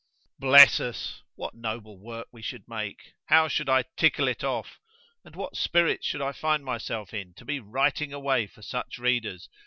Bless us!—what noble work we should make!——how should I tickle it off!——and what spirits should I find myself in, to be writing away for such readers!